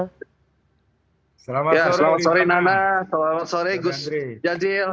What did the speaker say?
selamat sore nanda selamat sore gus jazil